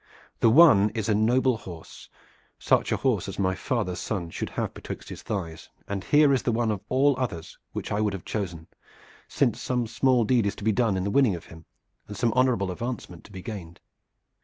The one is a noble horse, such a horse as my father's son should have betwixt his thighs, and here is the one of all others which I would have chosen, since some small deed is to be done in the winning of him, and some honorable advancement to be gained.